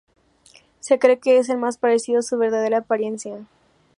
Se cree que es el más parecido a su verdadera apariencia.